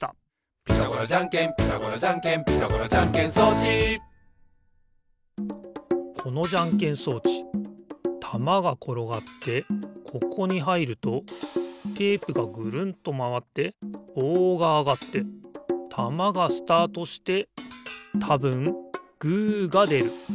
「ピタゴラじゃんけんピタゴラじゃんけん」「ピタゴラじゃんけん装置」このじゃんけん装置たまがころがってここにはいるとテープがぐるんとまわってぼうがあがってたまがスタートしてたぶんグーがでる。